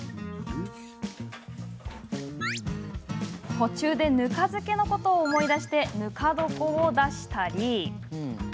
途中でぬか漬けのことを思い出しぬか床を出したり。